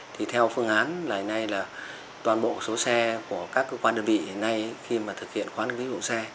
thì theo phương án toàn bộ số xe của các cơ quan đơn vị hiện nay khi mà thực hiện khoán kinh phí dụng xe